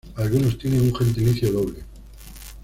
Algunos tienen un gentilicio doble.